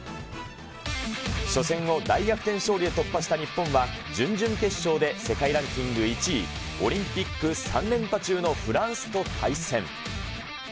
初戦を大逆転勝利で突破した日本は、準々決勝で世界ランキング１位、オリンピック３連覇中のフランスと対戦。